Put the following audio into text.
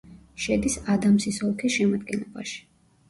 შედის ადამსის ოლქის შემადგენლობაში.